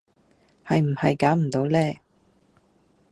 係唔係揀唔到呢